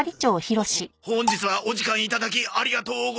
ほほ本日はお時間いただきありがとうございます。